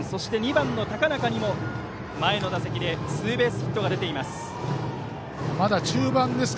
２番の高中にも前の打席でツーベースヒットが出ています。